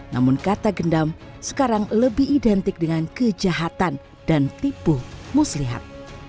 namun kata gendam sekarang lebih identik dengan kejahatan dan tipu muslihat